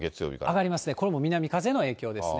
上がりますね、これも南風の影響ですね。